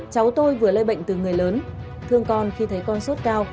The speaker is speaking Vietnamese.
cháu tôi vừa lây bệnh từ người lớn thương con khi thấy con sốt cao